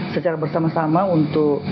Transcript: secara bersama sama untuk